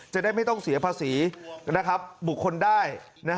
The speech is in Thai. จะได้ไม่ต้องเสียภาษีบุคคลได้